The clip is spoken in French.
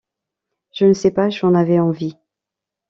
Je ne sais pas, j’en avais envie.